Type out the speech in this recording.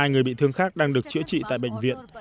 ba mươi hai người bị thương khác đang được chữa trị tại bệnh viện